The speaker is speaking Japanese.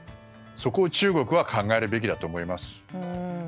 そこを中国は考えるべきだと思います。